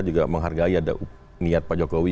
juga menghargai ada niat pak jokowi